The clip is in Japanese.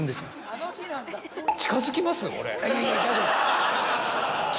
いえいえ大丈夫です。